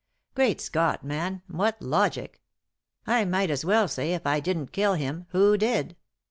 " Great Scott, man, what logic I I might as well say if I didn't kill him, who did